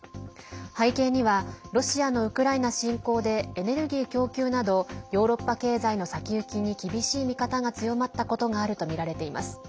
背景にはロシアのウクライナ侵攻でエネルギー供給などヨーロッパ経済の先行きに厳しい見方が強まったことがあるとみられています。